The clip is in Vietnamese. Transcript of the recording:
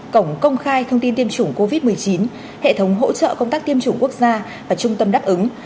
cổng công khai thông tin tiêm chủng covid một mươi chín hệ thống hỗ trợ công tác tiêm chủng quốc gia và trung tâm đáp ứng